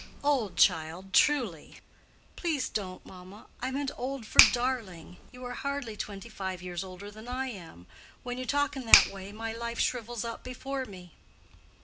"Old, child, truly." "Please don't, mamma! I meant old for darling. You are hardly twenty five years older than I am. When you talk in that way my life shrivels up before me."